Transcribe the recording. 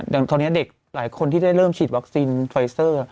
อย่างตอนนี้เด็กหลายคนที่ได้เริ่มฉีดวัคซีนไฟเซอร์